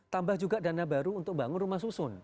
tambah juga dana baru untuk bangun rumah susun